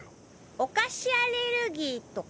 お菓子アレルギーとか？